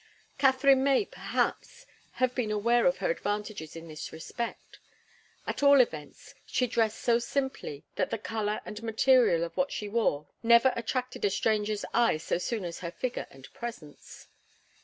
Katharine may, perhaps, have been aware of her advantages in this respect. At all events, she dressed so simply that the colour and material of what she wore never attracted a stranger's eye so soon as her figure and presence.